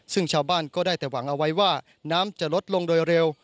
ซึ่งชาวบ้านก็ได้แต่หวังเอาไว้ว่าน้ำจะลดลงโดยเร็ว